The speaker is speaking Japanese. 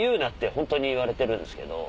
本当に言われてるんですけど。